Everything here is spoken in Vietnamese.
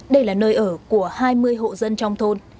đây là nơi ở của hai mươi hộ dân trong thôn